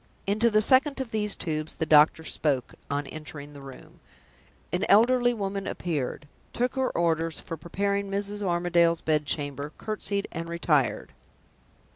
Into the second of these tubes the doctor spoke, on entering the room. An elderly woman appeared, took her orders for preparing Mrs. Armadale's bed chamber, courtesied, and retired.